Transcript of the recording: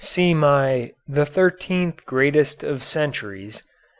(See my "The Thirteenth Greatest of Centuries," N.